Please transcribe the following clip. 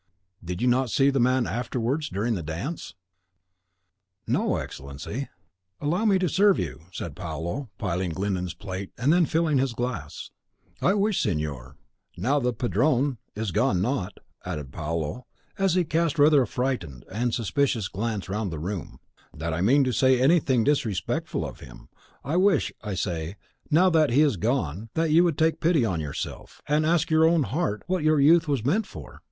"Did you not see the man afterwards during the dance?" "No, Excellency." "Humph!" "Allow me to serve you," said Paolo, piling Glyndon's plate, and then filling his glass. "I wish, signor, now the Padrone is gone, not," added Paolo, as he cast rather a frightened and suspicious glance round the room, "that I mean to say anything disrespectful of him, I wish, I say, now that he is gone, that you would take pity on yourself, and ask your own heart what your youth was meant for?